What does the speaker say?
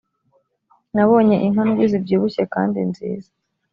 nabonye inka ndwi zibyibushye kandi nziza